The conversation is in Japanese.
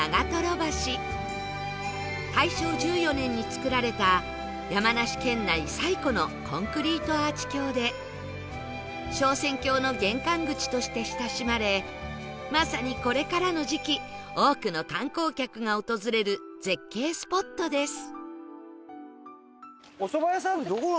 大正１４年に造られた山梨県内最古のコンクリートアーチ橋で昇仙峡の玄関口として親しまれまさにこれからの時期多くの観光客が訪れる絶景スポットです